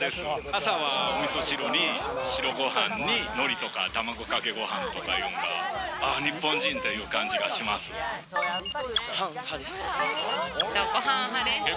朝は、おみそ汁に白ごはんに、のりとか卵かけごはんとかいうんが、ああ、日本人っていう感じがパン派です。